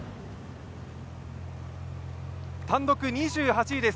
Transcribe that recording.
単独２８位です。